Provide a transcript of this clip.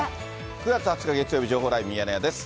９月２０日月曜日、情報ライブミヤネ屋です。